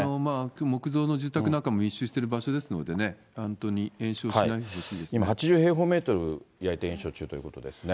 木造の住宅なんかも密集してる場所ですのでね、今、８０平方メートル焼いて延焼中ということですね。